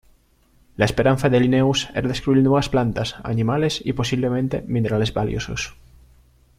La esperanza de Linnaeus era descubrir nuevas plantas, animales y posiblemente minerales valiosos.